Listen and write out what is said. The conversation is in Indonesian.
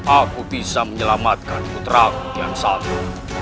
aku bisa menyelamatkan putraku yang satu